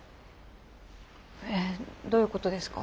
えどういうことですか？